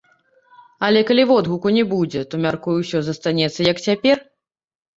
Але калі водгуку не будзе, то, мяркую, усё застанецца як цяпер.